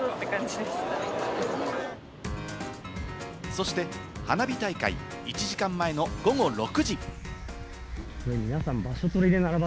そして、花火大会１時間前の午後６時。